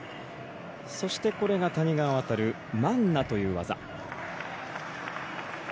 そしてこれが谷川航マンナという技。